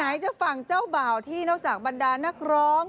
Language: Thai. ไหนจะฟังเจ้าบ่าวที่นอกจากบรรดานักร้อง